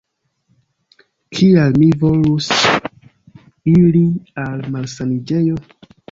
Kial mi volus iri al malsaniĝejo?